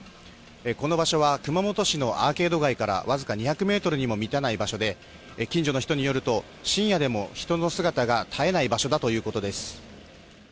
この場所は熊本市のアーケード街からわずか２００ｍにも満たない場所で近所の人によると深夜でも人の姿が絶えない場所だということです。